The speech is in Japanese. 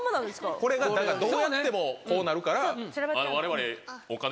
これがだからどうやってもこうなるから我々。